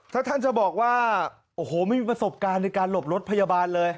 ถ้าท่านจะบอกว่าโอ้โหไม่มีประสบการณ์ในการหลบรถพยาบาลเลย